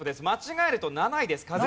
間違えると７位です。